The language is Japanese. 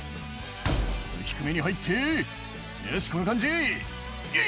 「低めに入ってよしこの感じえい！」